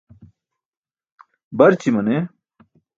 Barći mane.